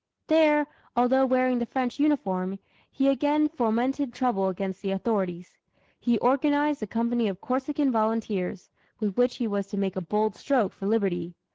There, although wearing the French uniform, he again fomented trouble against the authorities. He organized a company of Corsican Volunteers, with which he was to make a bold stroke for liberty.